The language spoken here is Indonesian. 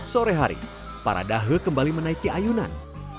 sore hari para dahe kembali menaiki ayunan